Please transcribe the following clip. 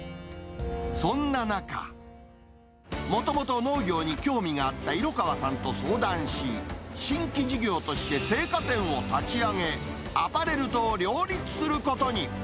そんな中、もともと農業に興味があった色川さんと相談し、新規事業として青果店を立ち上げ、アパレルと両立することに。